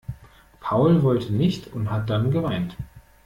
Paul wollte nicht und hat dann geweint.